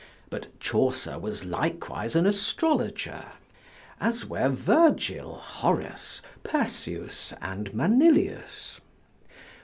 But Chaucer was likewise an astrologer, as were Virgil, Horace, Persius, and Manilius.